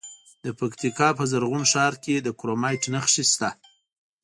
د پکتیکا په زرغون شهر کې د کرومایټ نښې شته.